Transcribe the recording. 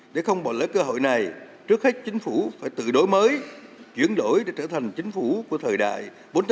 để không bỏ lỡ cơ hội này trước hết chính phủ phải tự đổi mới chuyển đổi để trở thành chính phủ của thời đại bốn